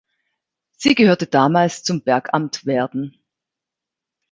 Sie gehörte damals zum Bergamt Werden.